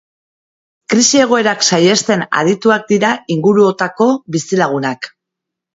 Krisi egoerak saihesten adituak dira inguruotako bizilagunak.